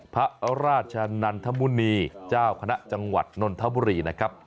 พระราชนันทมุณีเจ้าคณะจังหวัดนนทบุรีนะครับ